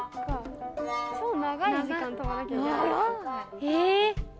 え？